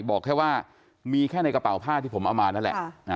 บอกแค่ว่ามีแค่ในกระเป๋าผ้าที่ผมเอามานั่นแหละ